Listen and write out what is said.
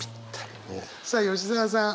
さあ吉澤さん。